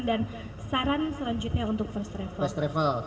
dan saran selanjutnya untuk first travel